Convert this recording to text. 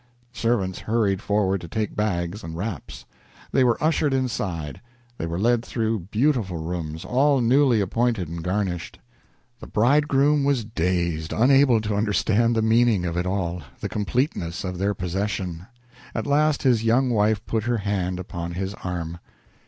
Servants hurried forward to take bags and wraps. They were ushered inside; they were led through beautiful rooms, all newly appointed and garnished. The bridegroom was dazed, unable to understand the meaning of it all the completeness of their possession. At last his young wife put her hand upon his arm.